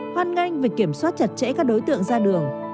hoan nghênh việc kiểm soát chặt chẽ các đối tượng ra đường